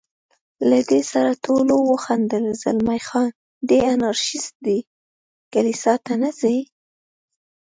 له دې سره ټولو وخندل، زلمی خان: دی انارشیست دی، کلیسا ته نه ځي.